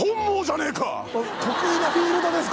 得意なフィールドです